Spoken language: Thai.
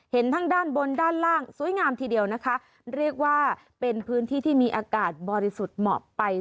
เห็นทั้งด้านบนด้านล่างสวยงามทีเดียวนะคะเรียกว่าเป็นพื้นที่ที่มีอากาศบริสุทธิ์เหมาะไป